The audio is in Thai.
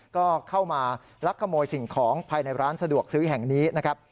ก็เข้ามาลักขโมยสิ่งของภายในร้านสะดวกซื้อแห่งนี้นะครับ